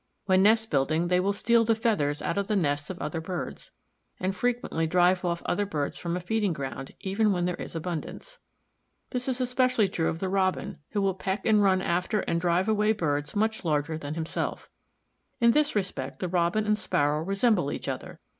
When nest building they will steal the feathers out of the nests of other birds, and frequently drive off other birds from a feeding ground even when there is abundance. This is especially true of the Robin, who will peck and run after and drive away birds much larger than himself. In this respect the Robin and Sparrow resemble each other.